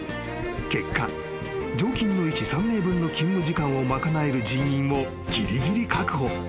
［結果常勤の医師３名分の勤務時間をまかなえる人員をぎりぎり確保］